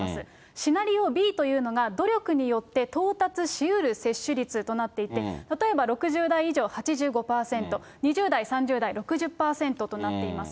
シナリオＢというのが、努力によって到達しうる接種率となっていて、例えば６０代以上、８５％、２０代、３０代、６０％となっています。